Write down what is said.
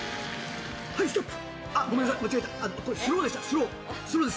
はい、ストップ。